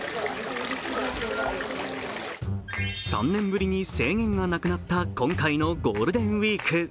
３年ぶりに制限がなくなった今回のゴールデンウイーク。